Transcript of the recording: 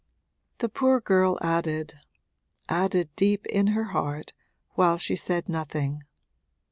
The poor girl added, added, deep in her heart, while she said nothing.